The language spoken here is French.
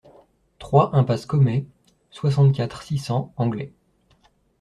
trois impasse Comet, soixante-quatre, six cents, Anglet